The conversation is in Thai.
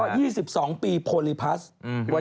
ก็๒๒ปีพลิพัฒน์